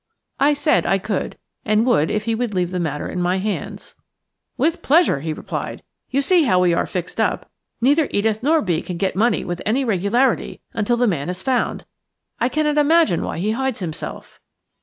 I said I could and would if he would leave the matter in my hands. "With pleasure," he replied. "You see how we are fixed up. Neither Edith nor Bee can get money with any regularity until the man is found. I cannot imagine why he hides himself."